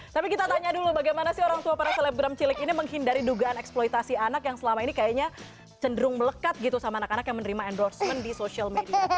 tapi kita tanya dulu bagaimana sih orang tua para selebgram cilik ini menghindari dugaan eksploitasi anak yang selama ini kayaknya cenderung melekat gitu sama anak anak yang menerima endorsement di social media